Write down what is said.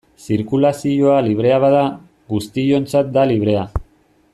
Zirkulazioa librea bada, guztiontzat da librea.